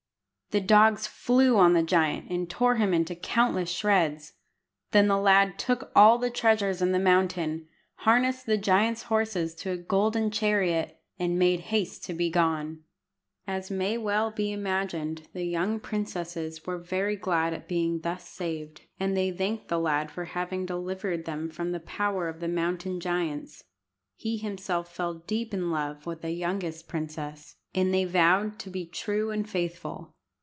The dogs flew on the giant, and tore him into countless shreds. Then the lad took all the treasures in the mountain, harnessed the giant's horses to a golden chariot, and made haste to be gone. As may well be imagined, the young princesses were very glad at being thus saved, and they thanked the lad for having delivered them from the power of mountain giants. He himself fell deep in love with the youngest princess, and they vowed to be true and faithful.